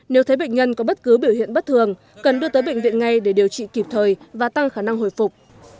nếu thấy bệnh nhân có bất cứ biểu hiện bất thường cần đưa tới bệnh viện ngay để điều trị kịp thời và tăng khả năng hồi phục